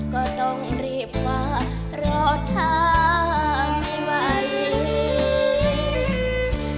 ก็ต้องรีบมารอทางไม่ว่าอยู่